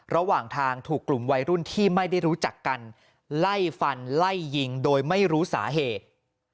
ระหว่างทางถูกกลุ่มวัยรุ่นที่ไม่ได้รู้จักกันไล่ฟันไล่ยิงโดยไม่รู้สาเหตุ